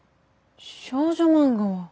少女漫画は？